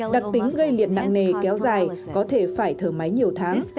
đặc tính gây liệt nặng nề kéo dài có thể phải thở máy nhiều tháng